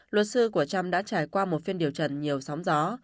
luật sư của trump đã trải qua một phiên điều trần nhiều sóng gió